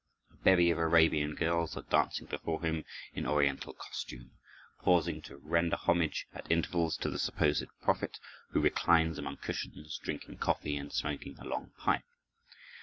A bevy of Arabian girls are dancing before him in oriental costume, pausing to render homage at intervals to the supposed prophet, who reclines among cushions, drinking coffee and smoking a long pipe.